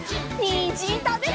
にんじんたべるよ！